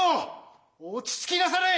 落ち着きなされい。